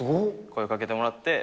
声かけてもらって。